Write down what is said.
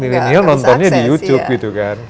milenial nontonnya di youtube gitu kan